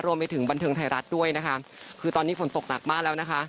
บันเทิงไทยรัฐด้วยนะคะคือตอนนี้ฝนตกหนักมากแล้วนะคะ